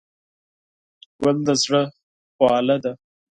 ګل د زړه خواله ده.